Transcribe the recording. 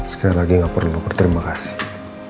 sekali lagi nggak perlu berterima kasih